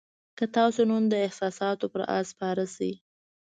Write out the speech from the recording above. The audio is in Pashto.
که تاسو نن د احساساتو پر آس سپاره شئ.